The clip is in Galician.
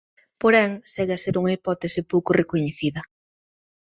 Porén segue a ser unha hipótese "pouco recoñecida".